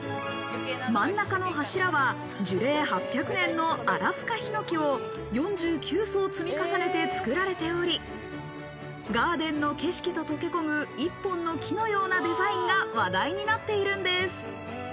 真ん中の柱は樹齢８００年のアラスカヒノキを４９層積み重ねて作られており、ガーデンの景色と溶け込む一本の木のようなデザインが話題になっているんです。